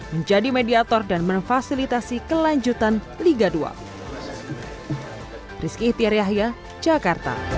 menjadi mediator dan memfasilitasi kelanjutan liga dua